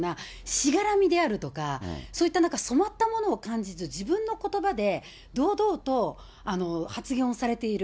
しがらみであるとか、そういったなんか、染まったものを感じず、自分のことばで堂々と発言をされている。